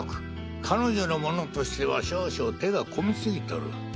彼女のものとしては少々手が込み過ぎとる。